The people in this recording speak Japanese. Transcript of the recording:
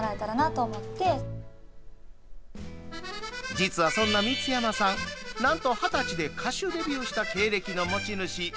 実は、そんな光山さんなんと２０歳で歌手デビューした経歴の持ち主。